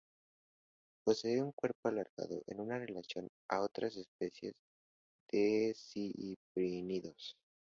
Posee un cuerpo alargado en relación a otras especies de ciprínidos.